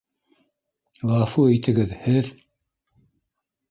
- Ғәфү итегеҙ, һеҙ...